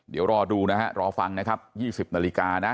เดี๋ยวรอดูนะฮะรอฟังนะครับ๒๐นาฬิกานะ